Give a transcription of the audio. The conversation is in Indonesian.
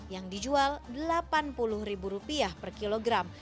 yang dijual delapan puluh ribu rupiah per kilogram